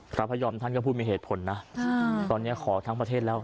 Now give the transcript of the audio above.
พระพยอมท่านก็พูดมีเหตุผลนะตอนนี้ขอทั้งประเทศแล้ว